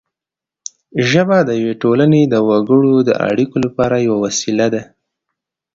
ژبه د یوې ټولنې د وګړو د اړیکو لپاره یوه وسیله ده